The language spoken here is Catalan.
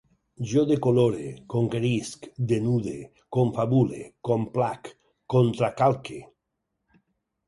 Jo decolore, conquerisc, denude, confabule, complac, contracalque